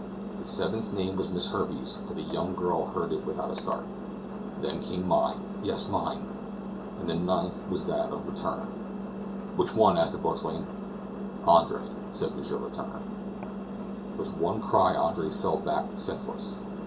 The seventh name was Miss Herbey's, but the young girl heard it without a start. Then came mine, yes, mine! and the ninth was was that of Letourneur. "Which one?" asked the boatswain. "Andre," said M. Letourneur. With one cry Andre fell back senseless.